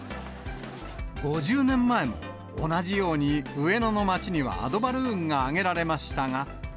５０年前も、同じように上野の街にはアドバルーンが揚げられましたが。